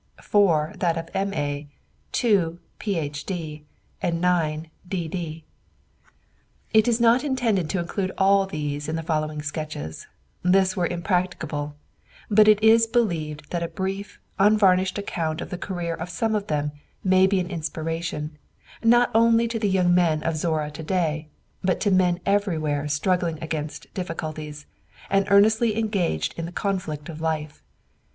four that of M.A., two Ph.D., and nine D.D. It is not intended to include all these in the following sketches; this were impracticable, but it is believed that a brief, unvarnished account of the career of some of them may be an inspiration, not only to the young men of Zorra to day, but to men everywhere struggling against difficulties, and earnestly engaged in the conflict of life.